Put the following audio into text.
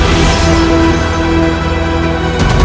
kita harus terus mencari kian san